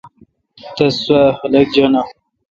تس سوا خلق جاناں